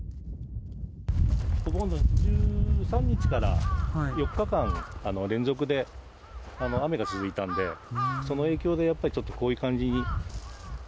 お盆の１３日から４日間、連続で雨が続いたんで、その影響でやっぱりちょっとこういう感じに。